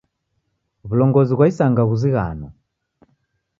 W'ulongozi ghwa isanga ghuzighano.